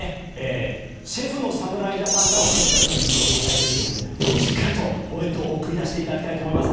シェフの侍ジャパンが選手たちの胃袋を支えているということでしっかりお弁当を送り出していただきたいと思います。